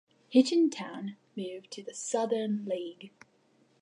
Hitchin Town moved to the Southern League.